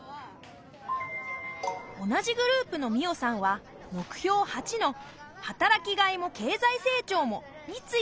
同じグループのみおさんは目標８の「働きがいも経済成長も」について調べたよ。